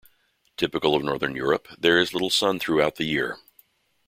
Typical of Northern Europe, there is little sun throughout the year.